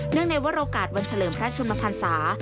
เนื่องในวัตถ์โลกาทวันเฉลิมพระชมพันธาสา